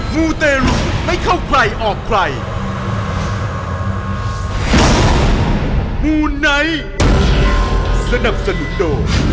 มูนไนท์สนับสนุนโด